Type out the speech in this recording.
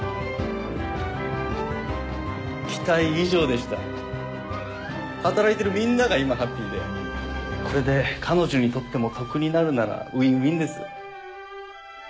期待以上でした働いてるみんなが今ハッピーでこれで彼女にとっても得になるならウィンウィンです。